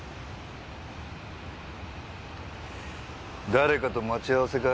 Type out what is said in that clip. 誰かと待ち合わせか？